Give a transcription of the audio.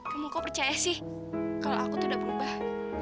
kamu kok percaya sih kalau aku tuh udah berubah